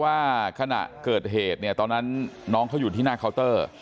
ว่าขณะเกิดเหตุเนี่ยตอนนั้นน้องเขาอยู่ที่หน้าเคาน์เตอร์